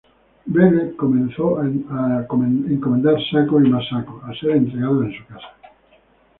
Belle comenzó a encomendar sacos y más sacos, a ser entregados en su casa.